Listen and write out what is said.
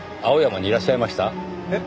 えっ？